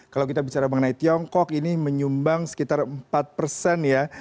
kalau kita bicara mengenai tiongkok ini menyumbang sekitar empat persen ya